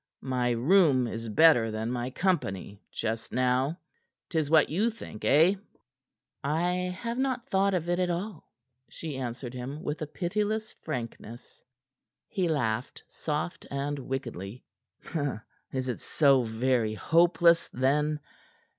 My room is better than my company just now? 'Tis what you think, eh?" "I have not thought of it at all," she answered him with a pitiless frankness. He laughed, soft and wickedly. "Is it so very hopeless, then?